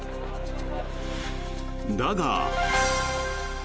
だが。